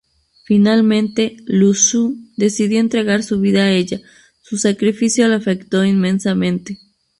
Finalmente, Lu Zhu decidió entregar su vida a ella, su sacrificio la afectó inmensamente.